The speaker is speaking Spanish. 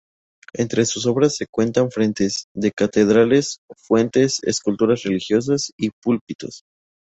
Entre sus obras se cuentan frentes de catedrales, fuentes, esculturas religiosas y púlpitos.